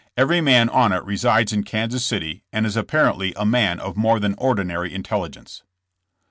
Every man on it resides in Kansas City and is apparently a man of more than ordinary in telligence.